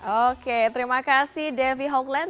oke terima kasih devi hogline